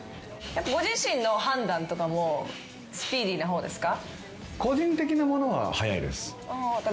ご自身の判断とかもスピーディーな方ですか？